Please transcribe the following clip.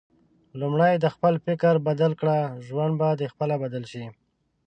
لومړی د خپل فکر بدل کړه ، ژوند به د خپله بدل شي